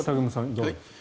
どうですか。